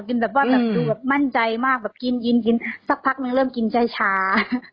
กินแบบว่ามั่นใจมากแบบกินสักพักหนึ่งเริ่มกินช้า